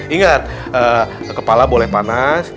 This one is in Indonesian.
ingat kepala boleh panas